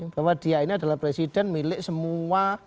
bahwa dia ini adalah presiden milik semua